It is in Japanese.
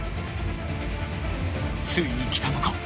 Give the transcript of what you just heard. ［ついにきたのか］